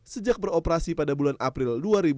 sejak beroperasi pada bulan april dua ribu sembilan belas